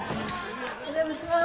お邪魔します。